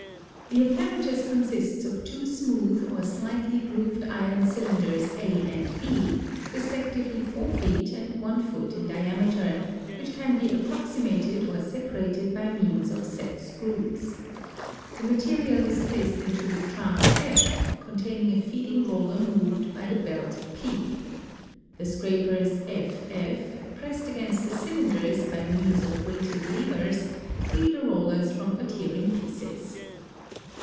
The apparatus consists of two smooth or slightly grooved iron cylinders A and B, respectively four feet and one foot in diameter, which can be approximated or separated by means of set screws. The material is placed into the trough F containing a feeding roller moved by the belt P. The scrapers FF, pressed against the cylinders by means of weighted levers, free the rollers from adhering pieces.